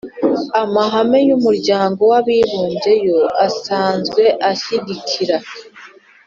amahame y'umuryango w'abibumbye yo asanzwe ashyigikira